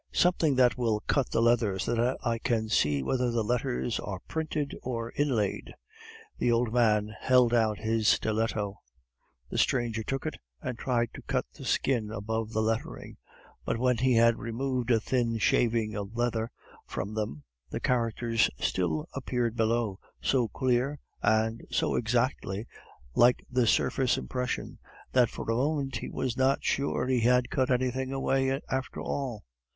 "Something that will cut the leather, so that I can see whether the letters are printed or inlaid." The old man held out his stiletto. The stranger took it and tried to cut the skin above the lettering; but when he had removed a thin shaving of leather from them, the characters still appeared below, so clear and so exactly like the surface impression, that for a moment he was not sure that he had cut anything away after all.